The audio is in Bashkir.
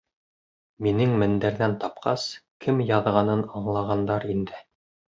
Минең мендәрҙән тапҡас, кем яҙғанын аңлағандар инде.